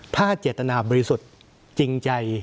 ถ้าเจตนาบริสุทธิ์จริงใจ